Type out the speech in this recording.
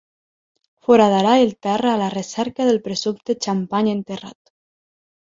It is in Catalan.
Foradarà el terra a la recerca del presumpte xampany enterrat.